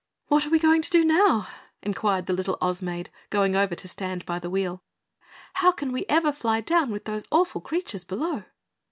"What are we going to do now?" inquired the little Oz Maid, going over to stand by the wheel. "How can we ever fly down with those awful creatures below?"